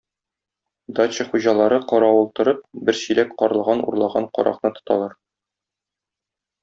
Дача хуҗалары, каравыл торып, бер чиләк карлыган урлаган каракны тоталар.